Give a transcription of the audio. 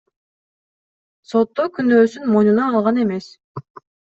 сотто күнөөсүн мойнуна алган эмес.